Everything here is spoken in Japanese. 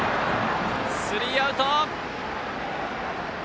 スリーアウト。